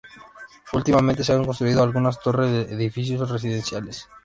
Últimamente se han construido algunas torres de edificios residenciales.